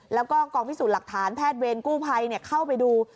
แล้วก็กองพิสูจน์หลักฐานแพทย์เวรกู้ภัยเข้าไปดู